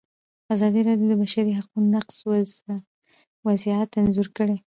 ازادي راډیو د د بشري حقونو نقض وضعیت انځور کړی.